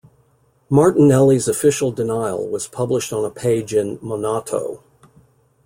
Martinelli's official denial was published on a page in "Monato".